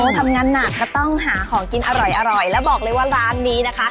ทำงานหนักก็ต้องหาของกินอร่อยแล้วบอกเลยว่าร้านนี้นะคะ